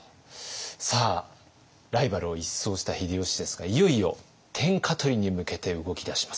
さあライバルを一掃した秀吉ですがいよいよ天下取りに向けて動き出します。